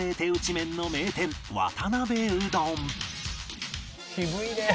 麺の名店渡辺うどん「渋いねえ」